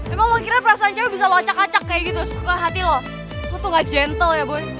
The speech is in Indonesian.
emang lu kira perasaan cewek bisa lo acak acak kayak gitu